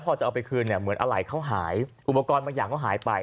พอจะเอาไปคืนเนี่ยเหมือนอะไรเขาหายอุปกรณ์บางอย่างเขาหายไป